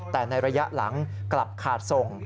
แต่ในระยะหลังกลับขาดส่ง